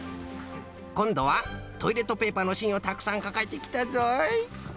こんどはトイレットペーパーのしんをたくさんかかえてきたぞい。